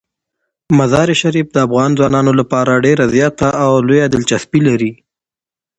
مزارشریف د افغان ځوانانو لپاره ډیره زیاته او لویه دلچسپي لري.